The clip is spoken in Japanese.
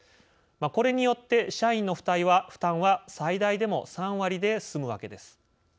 これによって社員の負担は最大でも３割で済むわけです。